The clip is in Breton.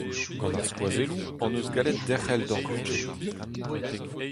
Gant ar skoazelloù hon eus gallet derc'hel d'hor budjed.